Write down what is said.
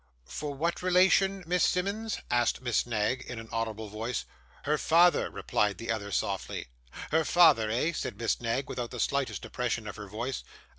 'For what relation, Miss Simmonds?' asked Miss Knag, in an audible voice. 'Her father,' replied the other softly. 'Her father, eh?' said Miss Knag, without the slightest depression of her voice.